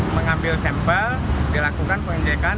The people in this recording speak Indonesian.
mengambil sampel dilakukan pengecekan